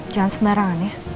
jangan sembarangan ya